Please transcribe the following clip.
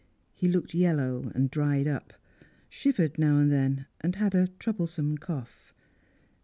He looked yellow and dried up; shivered now and then, and had a troublesome cough.